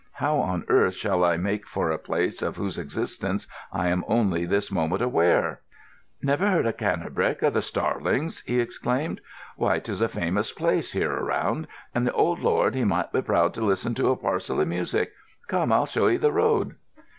"How on earth shall I make for a place of whose existence I am only this moment aware?" "Never heard of Cannebrake o' the Starlings?" he exclaimed. "Why, 'tis a famous place here around, and the old lord he might be proud to listen to a parcel o' music. Come, I'll show 'ee the road."